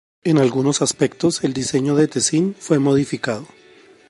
En algunos aspectos el diseño de Tessin fue modificado.